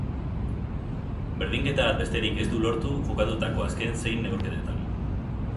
Berdinketa bat besterik ez du lortu jokatutako azken sei neurketetan.